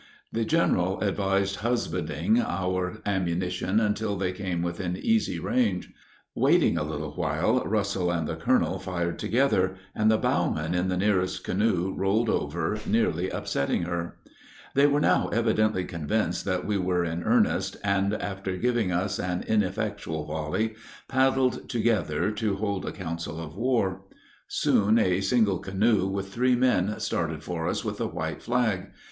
The general advised husbanding our ammunition until they came within easy range. Waiting a little while, Russell and the colonel fired together, and the bowman in the nearest canoe rolled over, nearly upsetting her. They were now evidently convinced that we were in earnest, and, after giving us an ineffectual volley, paddled together to hold a council of war. Soon a single canoe with three men started for us with a white flag.